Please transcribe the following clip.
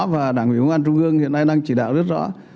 và đảng ủy công an trung ương hiện nay đang chỉ đạo rất rõ